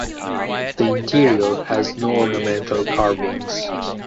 The interior has no ornamental carvings.